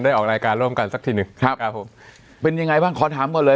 ออกรายการร่วมกันสักทีหนึ่งครับครับผมเป็นยังไงบ้างขอถามก่อนเลย